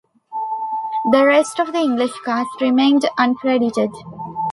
The rest of the English cast remained uncredited.